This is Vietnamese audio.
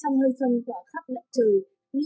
trong hơi sông tỏa khắp lạnh trời